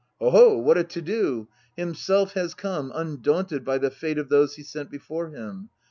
"Hoho! What a to do! Himself has come, undaunted by the fate of those he sent before him.